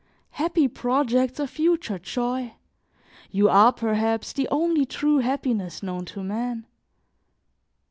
Happy projects of future joy, you are, perhaps, the only true happiness known to man!